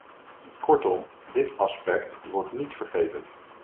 Kortom, dit aspect wordt niet vergeten.